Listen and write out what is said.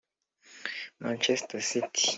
Manchester City